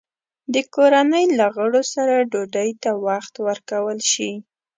د کورنۍ له غړو سره ډوډۍ ته وخت ورکول شي؟